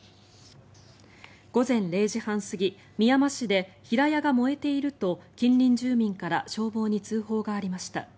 午前０時半過ぎ、みやま市で平屋が燃えていると近隣住民から消防に通報がありました。